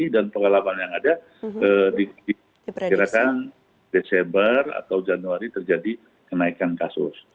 dan pengalaman yang ada di kira kira desember atau januari terjadi kenaikan kasus